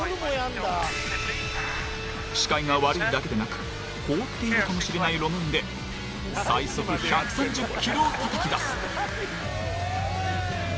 視界が悪いだけでなく凍っているかもしれない路面で最速１３０ｋｍをたたき出す。